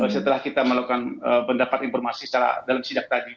setelah kita melakukan pendapat informasi dalam sidak tadi